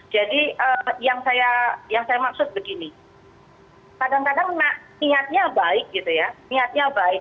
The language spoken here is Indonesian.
jadi yang saya maksud begini kadang kadang niatnya baik gitu ya niatnya baik